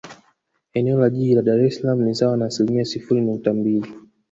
Eneo la Jiji la Dar es Salaam ni sawa na asilimia sifuri nukta mbili